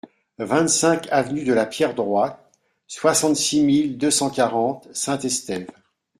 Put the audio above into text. vingt-cinq avenue de la Pierre Droite, soixante-six mille deux cent quarante Saint-Estève